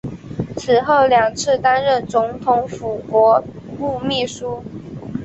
此后两次担任总统府国务秘书。